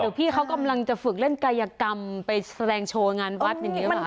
เดี๋ยวพี่เขากำลังจะฝึกเล่นกายกรรมไปแสดงโชว์งานวัดอย่างงี้หรือเปล่า